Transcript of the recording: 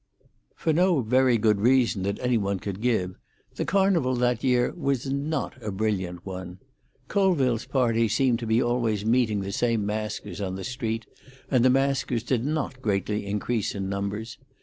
For no very good reason that any one could give, the Carnival that year was not a brilliant one. Colville's party seemed to be always meeting the same maskers on the street, and the maskers did not greatly increase in numbers.